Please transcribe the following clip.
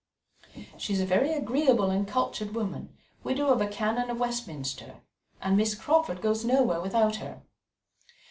"She is a very agreeable and cultured woman, widow of a Canon of Westminster, and Miss Crawford goes nowhere without her."